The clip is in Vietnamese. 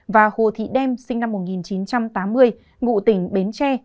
và hồ thị đem sinh năm một nghìn chín trăm tám mươi ngụ tỉnh bến tre